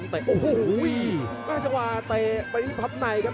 แล้วก็นั่งมาชัดอุ่นสุดแล้วครับโห้วน่าจะว่าเทไปที่พับในครับ